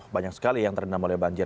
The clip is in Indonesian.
banyak sekali yang terendam oleh banjir